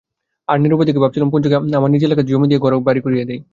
আমি নিরুপায় দেখে ভাবছিলুম পঞ্চুকে আমার নিজ এলাকাতেই জমি দিয়ে ঘর-বাড়ি করিয়ে দিই।